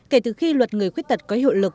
kể từ khi luật người khuyết tật có hiệu lực